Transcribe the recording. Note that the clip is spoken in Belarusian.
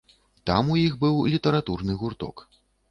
Там у іх быў літаратурны гурток.